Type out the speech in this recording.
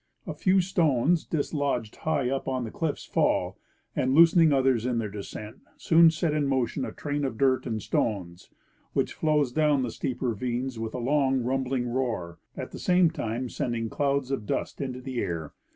A few stones dislodged high up on the cliffs fall, and, loosening others in their descent, soon set in motion a train of dirt and stones, which flows down the steep ravines with a long rumbling roar, at the same time send ing clouds of dust into the air.